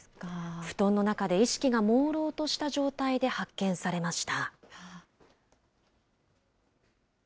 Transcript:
布団の中で意識がもうろうとした状態で発見されました。